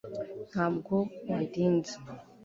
ntabwo wandinze